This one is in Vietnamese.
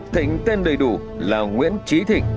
thịnh tên đầy đủ là nguyễn tri thịnh